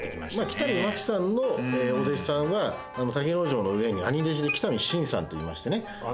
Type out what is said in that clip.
北見マキさんのお弟子さんは瀧之丞の上に兄弟子で北見伸さんといいましてね